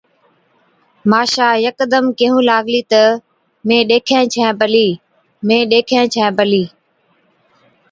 ماشا يڪدم ڪيهُون لاگلِي تہ، مين ڏيکَين ڇَين پلِي، مين ڏيکَين ڇَين پلِي۔